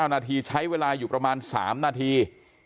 นาทีใช้เวลาอยู่ประมาณ๓นาที